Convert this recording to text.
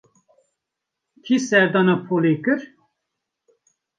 Kê serdana polê kir?